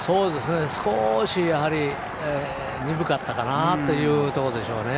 少し鈍かったかなというところですね。